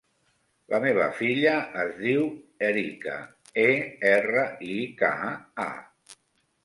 La meva filla es diu Erika: e, erra, i, ca, a.